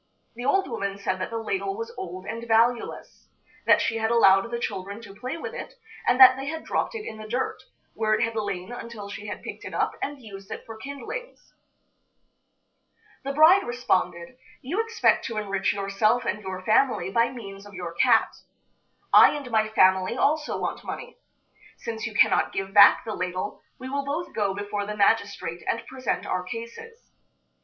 The old woman said that the ladle was old and valueless; that she had allowed the children to play with it, and that they had dropped it in the dirt, where it had lain until she had picked it up and used it for kindlings. The bride responded: "You expect to enrich yourself and your family by means of your cat. I and my family also want money. Since you cannot give back the ladle, we will both go before the magistrate and present our cases.